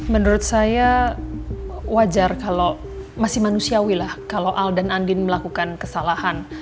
menurut saya wajar kalau masih manusiawi lah kalau al dan andin melakukan kesalahan